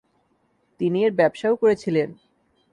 তিনি এর ব্যবসাও করেছিলেন।